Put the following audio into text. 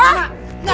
hah ampun mak